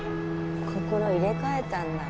心入れ替えたんだ。